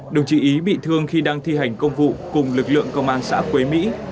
đồng chí ý bị thương khi đang thi hành công vụ cùng lực lượng công an xã quế mỹ